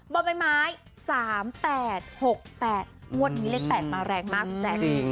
บนไม้๓๘๖๘งวดนี้เล็ก๘มาแรงมากแจ๊ะ